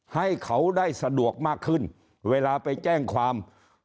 ให้เขาได้สะดวกมากขึ้นเวลาไปแจ้งความ